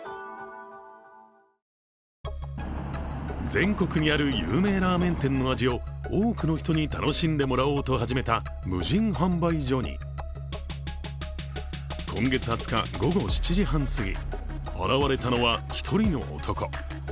全国にある有名ラーメン店の味を多くの人に楽しんでもらおうと始めた無人販売所に、今月２０日午後７時半すぎ現れたのは一人の男。